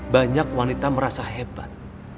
banyak wanita merasa hebat